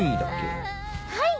はい！